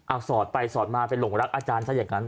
เอาสอดไปสอดมาไปหลงรักอาจารย์ซะอย่างนั้น